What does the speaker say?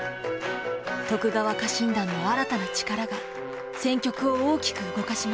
徳川家臣団の新たな力が戦局を大きく動かします。